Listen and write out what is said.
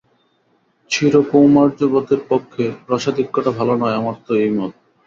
চিরকৌমার্যব্রতের পক্ষে রসাধিক্যটা ভালো নয় আমার তো এই মত।